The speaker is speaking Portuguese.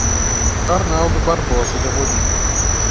Arnaldo Barbosa de Amorim